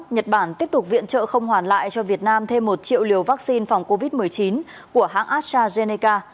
nhật bản tiếp tục viện trợ không hoàn lại cho việt nam thêm một triệu liều vaccine phòng covid một mươi chín của hãng astrazeneca